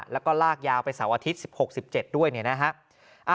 แล้วก็ลากยาวไปเสาร์อาทิตย์๑๖๑๗ด้วยเนี่ยนะฮะ